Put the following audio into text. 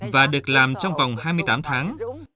và được làm trong vòng hai mươi tám tháng